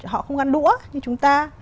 họ không ăn đũa như chúng ta